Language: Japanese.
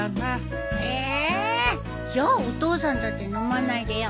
えじゃあお父さんだって飲まないでよ。